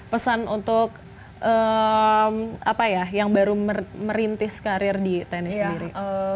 pesan untuk apa ya yang baru merintis karir di tenis sendiri